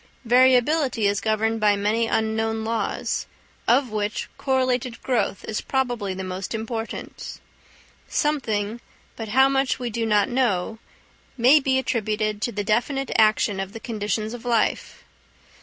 Variability is governed by many unknown laws, of which correlated growth is probably the most important. Something, but how much we do not know, may be attributed to the definite action of the conditions of life.